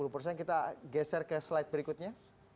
sepuluh persen kita geser ke slide berikutnya